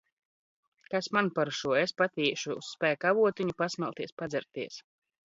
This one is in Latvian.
Kas man ar šo! Es pati iešu uz Spēka avotiņu pasmelties, padzerties.